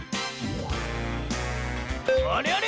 あれあれ？